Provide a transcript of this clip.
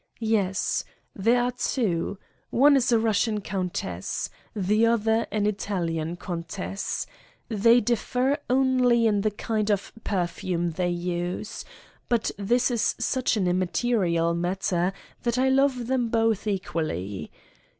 Yes : there are two. One is a Eussian countess. The other, an Italian countess. They differ only in the kind of perfume they use. But this is such an immaterial matter that I love them both equally.